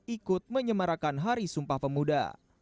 ikut menyemarakan hari sumpah pemuda